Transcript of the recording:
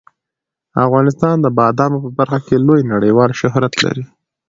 افغانستان د بادامو په برخه کې لوی نړیوال شهرت لري.